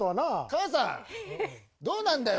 母さんどうなんだよ